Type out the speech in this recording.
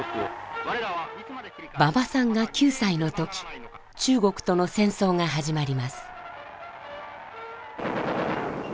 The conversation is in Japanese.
馬場さんが９歳の時中国との戦争が始まります。